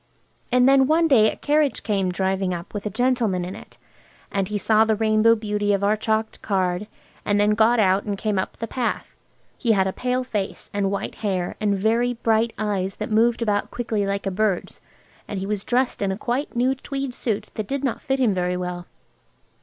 And then one day a carriage came driving up with a gentleman in it, and he saw the rainbow beauty of our chalked card, and he got out and came up the path. He had a pale face, and white hair and very bright eyes that moved about quickly like a birds, and he was dressed in a quite new tweed suit that did not fit him very well.